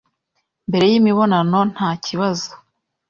mbere y’imibonano nta kibazo,